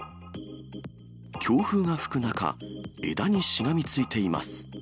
強風が吹く中、枝にしがみついています。